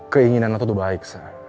keinginan lo tuh baik